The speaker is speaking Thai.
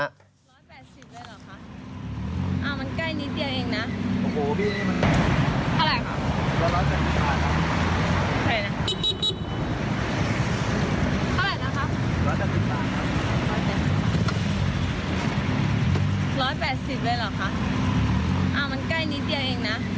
๑๘๐บาทเลยเหรอคะมันใกล้นิดเดียวเองนะ